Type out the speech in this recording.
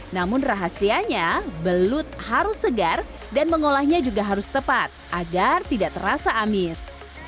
namun rahasianya belut harus segar dan mengolahnya juga harus tepat agar tidak terasa amis